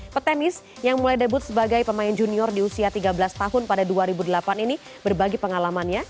petenis yang mulai debut sebagai pemain junior di usia tiga belas tahun pada dua ribu delapan ini berbagi pengalamannya